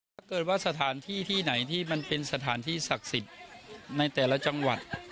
ถ้าเกิดว่าสถานที่ที่ไหนที่มันเป็นสถานที่ศักดิ์สิทธิ์ในแต่ละจังหวัด